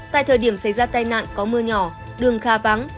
tại thời điểm xảy ra tai nạn có mưa nhỏ đường kha vắng